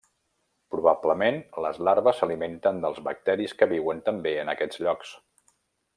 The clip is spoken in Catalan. Probablement les larves s'alimenten dels bacteris que viuen també en aquests llocs.